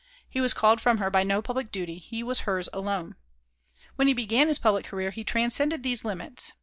He was called from her by no public duty; he was hers alone. When he began his public career he transcended these limits.